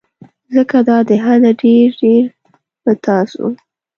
ځکه دا د حده ډیر ډیر به تاسو